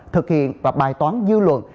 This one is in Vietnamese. thực hiện và bài toán dư luận